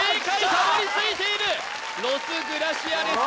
たどり着いているロス・グラシアレス